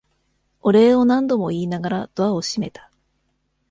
お礼を何度も言いながらドアを閉めた。